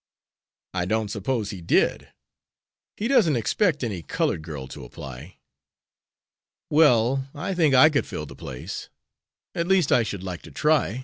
"I don't suppose he did. He doesn't expect any colored girl to apply." "Well, I think I could fill the place. At least I should like to try.